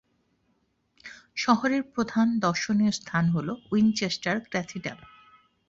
শহরের প্রধান দর্শনীয় স্থান হল উইনচেস্টার ক্যাথিড্রাল।